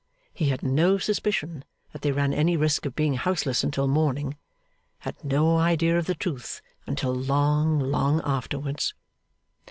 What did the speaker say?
He had no suspicion that they ran any risk of being houseless until morning; had no idea of the truth until long, long afterwards.